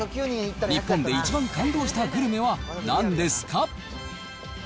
日本で一番感動したグルメはなんですか？